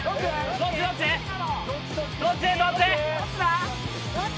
どっちどっち？